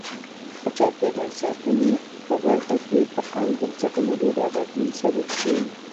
په چاپیریال ساتنې په برخه کې فعال بنسټونه ډیر اغیزمن ثابت شوي.